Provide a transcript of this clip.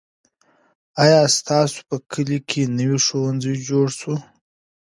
آیا ستاسو په کلي کې نوی ښوونځی جوړ سو؟